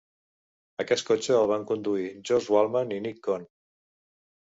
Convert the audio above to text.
Aquest cotxe el van conduir George Waltman i Nick Cone.